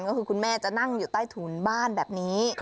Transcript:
ก็คือคุณแม่จะนั่งอยู่ใต้ถุนบ้านแบบนี้